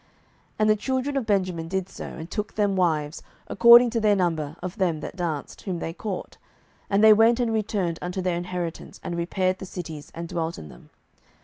07:021:023 And the children of Benjamin did so, and took them wives, according to their number, of them that danced, whom they caught: and they went and returned unto their inheritance, and repaired the cities, and dwelt in them.